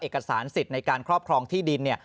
เอกสารสิทธิ์ในการครอบครองที่ดินเนี่ย